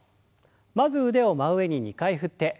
まず腕を真上に２回振って。